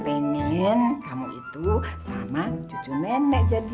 pengen kamu itu sama cucu nenek jadi